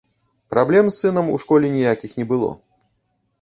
Праблем з сынам у школе ніякіх не было.